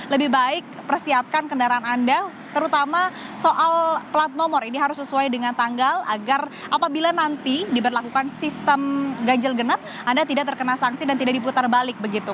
lebih baik persiapkan kendaraan anda terutama soal plat nomor ini harus sesuai dengan tanggal agar apabila nanti diberlakukan sistem ganjil genap anda tidak terkena sanksi dan tidak diputar balik begitu